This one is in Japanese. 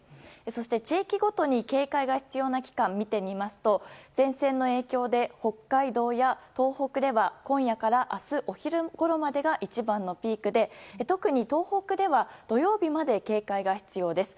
そして地域ごとに警戒が必要な期間を見てみますと前線の影響で北海道や東北では今夜から明日お昼ごろまでが一番のピークで、特に東北では土曜日まで警戒が必要です。